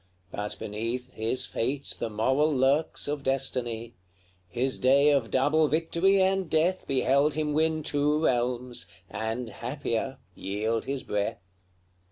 But beneath His fate the moral lurks of destiny; His day of double victory and death Beheld him win two realms, and, happier, yield his breath.